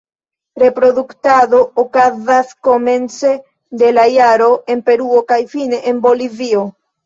Reproduktado okazas komence de la jaro en Peruo kaj fine en Bolivio.